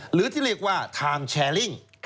หรือที่เรียกว่าไทม์แชร์ลิ่ง